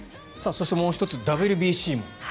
そしてもう１つＷＢＣも。